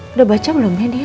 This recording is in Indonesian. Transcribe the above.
udah baca belum ya dia